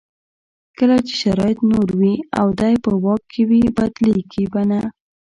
کله چې شرایط نور وي او دی په واک کې وي بدلېږي به نه.